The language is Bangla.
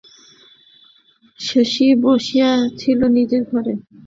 শশী বসিয়া ছিল নিজের ঘরে।